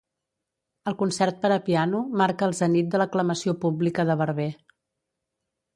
El Concert per a piano marca el zenit de l'aclamació pública de Barber.